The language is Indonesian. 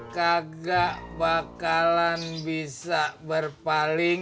kagak bakalan bisa berpaling